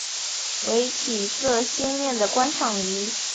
为体色鲜艳的观赏鱼。